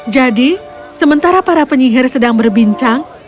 jadi sementara para penyihir sedang berbincang